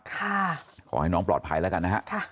ขอให้น้องปลอดภัยแล้วกันนะฮะ